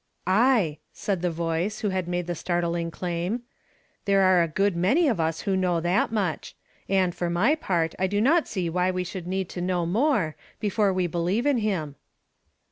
" Aye," said the voice, who had made the start ling claim; ''there are a good many of us Avho know that much ; and, for my part, I do not see why we should need to know more, before we believe in him."